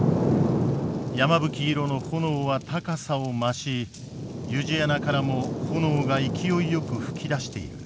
山吹色の炎は高さを増し湯路穴からも炎が勢いよく噴き出している。